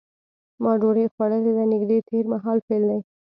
ما ډوډۍ خوړلې ده نږدې تېر مهال فعل دی.